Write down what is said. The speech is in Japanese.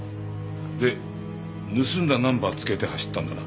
で盗んだナンバー付けて走ったんだな？